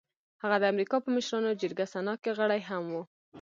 هغه د امريکا په مشرانو جرګه سنا کې غړی هم و.